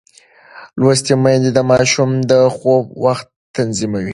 لوستې میندې د ماشوم د خوب وخت تنظیموي.